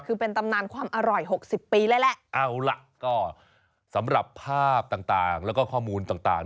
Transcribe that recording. คือเป็นตำนานความอร่อยหกสิบปีเลยแหละเอาล่ะก็สำหรับภาพต่างต่างแล้วก็ข้อมูลต่างต่าง